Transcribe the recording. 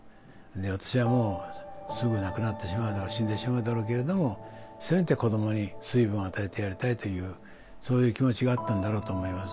私はもう、すぐ亡くなってしまうだろう、死んでしまうだろうけど、せめて子どもに水分を与えてやりたいという、そういう気持ちがあったんだろうと思います。